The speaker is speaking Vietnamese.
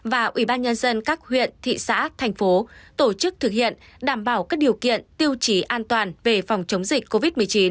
và ubnd các huyện thị xã thành phố tổ chức thực hiện đảm bảo các điều kiện tiêu chí an toàn về phòng chống dịch covid một mươi chín